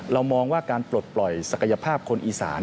เรามองว่าการปลดปล่อยศักยภาพคนอีสาน